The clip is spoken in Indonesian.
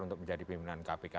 untuk menjadi pimpinan kpk